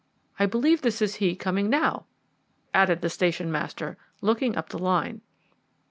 I believe this is he coming now," added the station master, looking up the line.